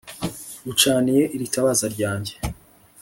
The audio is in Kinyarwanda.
Ngucaniye iri tabaza ryanjye